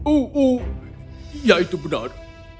uh uh ya itu benar